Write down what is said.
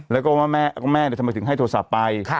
แล้วก็ว่าแม่ทำไมถึงให้โทรศัพท์ไป